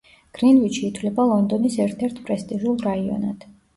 გრინვიჩი ითვლება ლონდონის ერთ-ერთ პრესტიჟულ რაიონად.